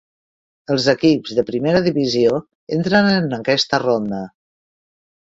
Els equips de Primera divisió entren en aquesta ronda.